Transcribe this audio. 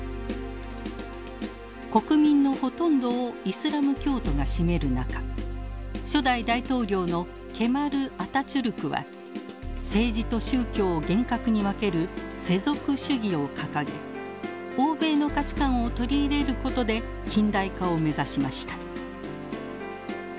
国民のほとんどをイスラム教徒が占める中初代大統領のケマル・アタチュルクは政治と宗教を厳格に分ける世俗主義を掲げ欧米の価値観を取り入れることで近代化を目指しました。